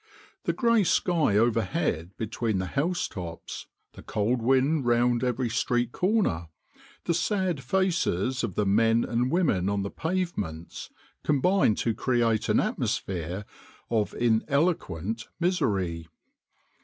The grey sky overhead between the house tops, the cold wind round every street corner, the sad faces of the men and women on the pavements, combined to create an atmosphere of ineloquent misery.